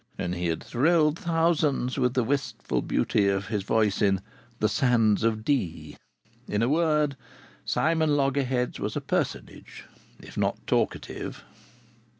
And he had thrilled thousands with the wistful beauty of his voice in "The Sands of Dee." In a word, Simon Loggerheads was a personage, if not talkative.